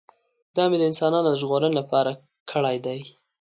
دا مې د انسانانو د ژغورنې لپاره کړی دی.